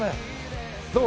どう？